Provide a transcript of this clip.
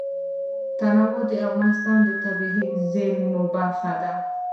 تنوع د افغانستان د طبیعي زیرمو برخه ده.